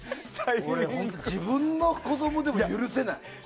自分の子供でも許せない。